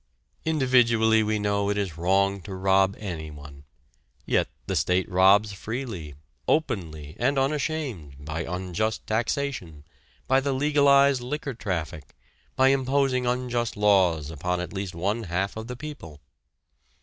Individually we know it is wrong to rob anyone. Yet the state robs freely, openly, and unashamed, by unjust taxation, by the legalized liquor traffic, by imposing unjust laws upon at least one half of the people.